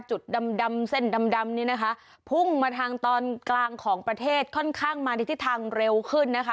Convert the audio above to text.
จุดดำดำเส้นดำนี้นะคะพุ่งมาทางตอนกลางของประเทศค่อนข้างมาในทิศทางเร็วขึ้นนะคะ